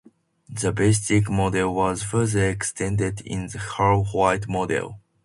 The Vasicek model was further extended in the Hull-White model.